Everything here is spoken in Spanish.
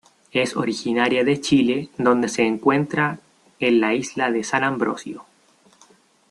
Es originaria de Chile donde se encuentra en la Isla de San Ambrosio.